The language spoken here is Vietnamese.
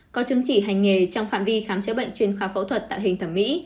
có chứng chỉ hành nghề trong phạm vi khám chữa bệnh chuyên khoa phẫu thuật tạo hình thẩm mỹ